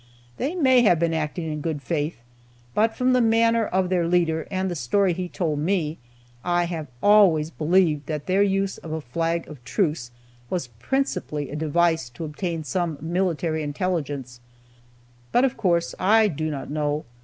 They may have been acting in good faith, but from the manner of their leader, and the story he told me, I have always believed that their use of a flag of truce was principally a device to obtain some military intelligence, but, of course, I do not know.